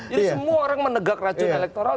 jadi semua orang menegak racun elektoral